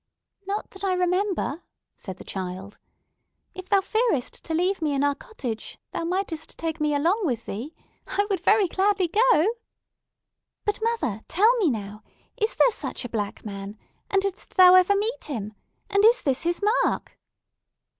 "Not that I remember," said the child. "If thou fearest to leave me in our cottage, thou mightest take me along with thee. I would very gladly go! But, mother, tell me now! Is there such a Black Man? And didst thou ever meet him? And is this his mark?"